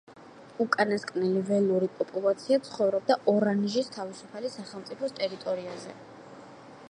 უკანასკნელი ველური პოპულაცია ცხოვრობდა ორანჟის თავისუფალი სახელმწიფოს ტერიტორიაზე.